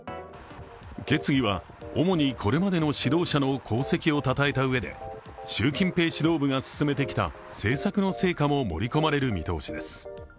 決議は主に、これまでの指導者の功績をたたえた上で習近平指導部が進めてきた政策の成果も盛り込まれる見通しです。